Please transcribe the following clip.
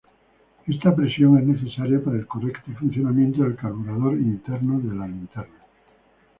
Esta presión es necesaria para el correcto funcionamiento del carburador interno de la linterna.